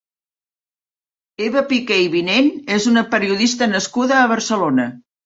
Eva Piquer i Vinent és una periodista nascuda a Barcelona.